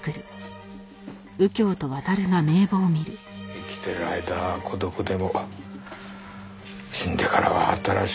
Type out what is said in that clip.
生きてる間は孤独でも死んでからは新しい家族がいる。